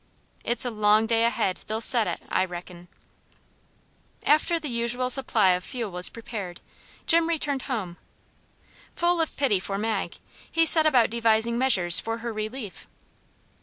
It's a long day ahead they'll set it, I reckon." After the usual supply of fuel was prepared, Jim returned home. Full of pity for Mag, he set about devising measures for her relief.